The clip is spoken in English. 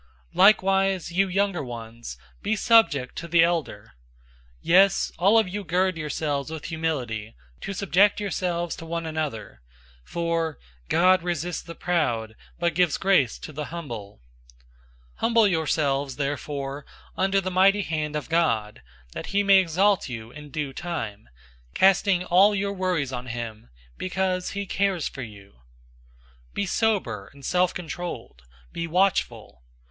005:005 Likewise, you younger ones, be subject to the elder. Yes, all of you gird yourselves with humility, to subject yourselves to one another; for "God resists the proud, but gives grace to the humble."{Proverbs 3:34} 005:006 Humble yourselves therefore under the mighty hand of God, that he may exalt you in due time; 005:007 casting all your worries on him, because he cares for you. 005:008 Be sober and self controlled. Be watchful.